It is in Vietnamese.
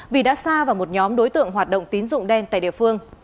vì đã xa vào một nhóm đối tượng hoạt động tín dụng đen tại địa phương